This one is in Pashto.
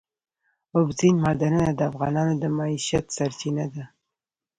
اوبزین معدنونه د افغانانو د معیشت سرچینه ده.